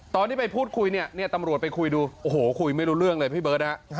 ตอนที่ไปพูดคุยเนี่ยตำรวจไปคุยดูโอ้โหคุยไม่รู้เรื่องเลยพี่เบิร์ตนะฮะ